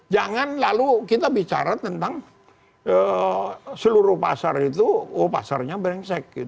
jangan lalu kita bicara tentang seluruh pasar itu wah pasarnya berengsek